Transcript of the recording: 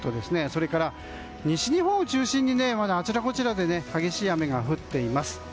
それから西日本を中心にあちらこちらで激しい雨が降っています。